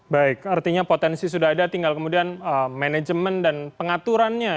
baik artinya potensi sudah ada tinggal kemudian manajemen dan pengaturannya